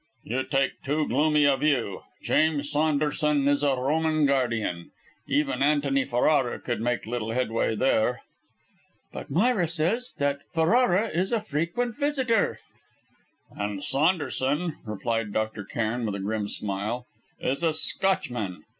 "You take too gloomy a view. James Saunderson is a Roman guardian. Even Antony Ferrara could make little headway there." "But Myra says that Ferrara is a frequent visitor." "And Saunderson," replied Dr. Cairn with a grim smile, "is a Scotchman!